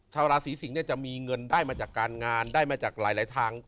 ชาวราศีสิงศ์จะมีเงินได้มาจากการงานได้มาจากหลายทาง